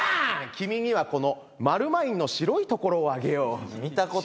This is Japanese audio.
君にはこのマルマインの白いところをあげよう。